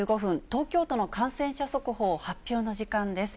東京都の感染者速報発表の時間です。